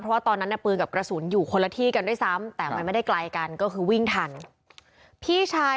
เพราะตอนนั้นปืนกับกระสุนอยู่คนละที่ได้ซ้ำ